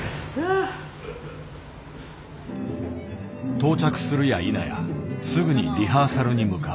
到着するやいなやすぐにリハーサルに向かう。